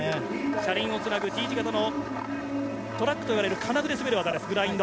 車輪をつなぐＴ字型のトラックといわれる金具を滑る技です。